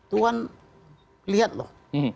tuhan lihat loh